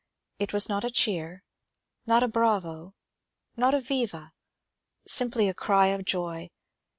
It was not a cheer, not a bravo^ not a viva^ — simply a cry of joy.